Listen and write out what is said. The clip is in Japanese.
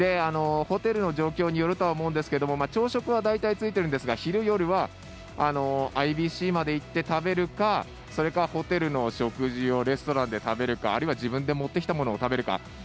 ホテルの状況によるとは思うんですけれども朝食は大体、ついてるんですが昼、夜はＩＢＣまで行って食べるかそれか、ホテルの食事をレストランで食べるかあるいは自分で持ってきたものを食べるか。